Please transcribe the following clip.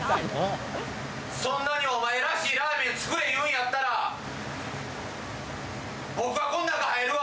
そんなに「お前らしいラーメン作れ」言うんやったら僕がこん中入るわ！